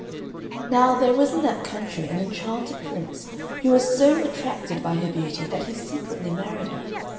Now there was in that country an enchanted Prince who was so attracted by her beauty that he secretly married her.